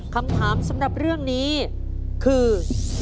คำถามสำหรับเรื่องนี้คือ